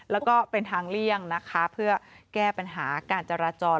แล้วก็เป็นทางเลี่ยงนะคะเพื่อแก้ปัญหาการจราจร